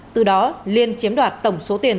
từ đó liên chiếm đoạt tổng số tiền